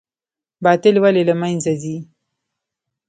باطل ولې له منځه ځي؟